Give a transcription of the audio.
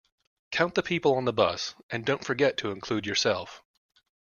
Count the people on the bus, and don't forget to include yourself.